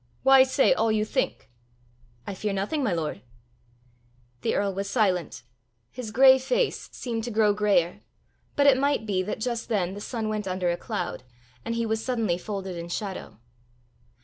Why say all you think?" "I fear nothing, my lord." The earl was silent; his gray face seemed to grow grayer, but it might be that just then the sun went under a cloud, and he was suddenly folded in shadow.